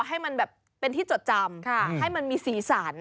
ให้มันแบบเป็นที่จดจำให้มันมีสีสัน